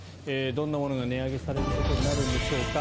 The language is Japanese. どんなものが値上げされることになるんでしょうか。